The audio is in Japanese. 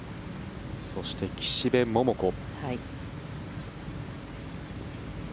そして、岸部桃子。